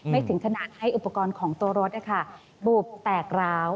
ถึงขนาดให้อุปกรณ์ของตัวรถบูบแตกร้าว